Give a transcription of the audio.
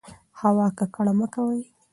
هوا ککړه مه کوئ.